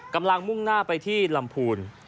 กำลังมุ่งหน้าไปที่ลำพูน